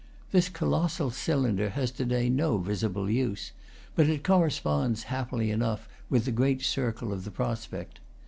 This colossal cylinder has to day no visible use; but it corresponds, happily enough, with the great circle of the prospect.